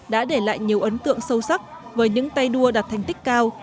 đã để lại nhiều ấn tượng sâu sắc với những tay đua đạt thành tích cao